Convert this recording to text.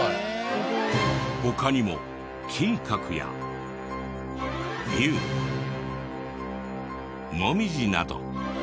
他にも金閣や竜モミジなど。